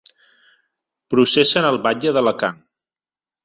Processen el batlle d’Alacant.